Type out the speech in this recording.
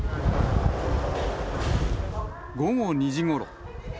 午後２時ごろ。